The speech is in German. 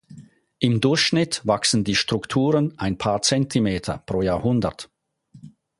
Im Durchschnitt wachsen die Strukturen ein paar Zentimeter pro Jahrhundert.